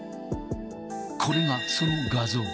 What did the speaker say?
これがその画像。